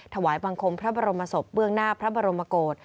ถวายบังคมพระบรมศพเบื้องหน้าพระบรมโกศ